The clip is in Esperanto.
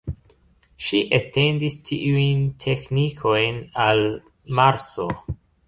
Ŝi etendis tiujn teknikojn al Marso.